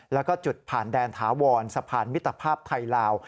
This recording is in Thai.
แล้วก็จุดผ่านแดนถาวรสะพานมิตรภาพไทยลาว